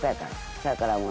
せやからもう。